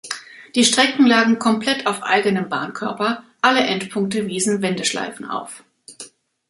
Die Strecken lagen komplett auf eigenem Bahnkörper, alle Endpunkte wiesen Wendeschleifen auf.